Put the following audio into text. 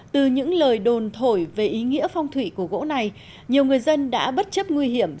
từ những lời đồn thổi về ý nghĩa phong thủy của gỗ này nhiều người dân đã bất chấp nguy hiểm